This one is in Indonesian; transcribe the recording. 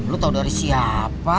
lo tau dari siapa